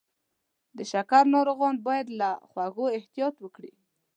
د شکر ناروغان باید له خوږو احتیاط وکړي.